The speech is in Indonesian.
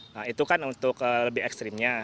nah itu kan untuk lebih ekstrimnya